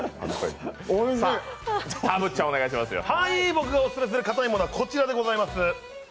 僕がオススメするかたい物はこちらでございます。